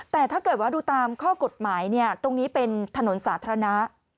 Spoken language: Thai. แต่ถ้าเกิดว่าดูตามข้อกฎหมายตรงนี้เป็นถนนสาธารณะ